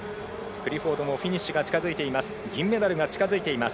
クリフォードもフィニッシュが近づいています。